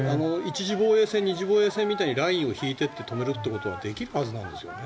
１次防衛線、２次防衛線みたいにラインを引いて止めるってことはできるはずなんですよね。